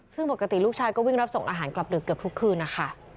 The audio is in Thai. ซึ่งปกติลูกชายก็วิ่งรับส่งอาหารกลับดึกเกือบทุกคืนนะคะ